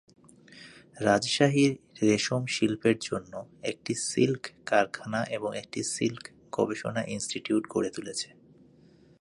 রাজশাহী রেশম শিল্পের জন্য একটি সিল্ক কারখানা এবং একটি সিল্ক গবেষণা ইনস্টিটিউট গড়ে তুলেছে।